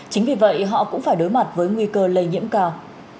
chính vì vậy họ cũng phải đối mặt với nguy cơ lây nhiễm cao